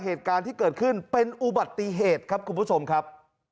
เหตุการณ์ที่เกิดขึ้นเป็นอุบัติเหตุครับคุณผู้ชมครับ